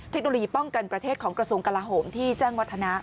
เทคโนโลยีป้องกันประเทศของกระทรวงกลาโหมที่แจ้งวัฒนะ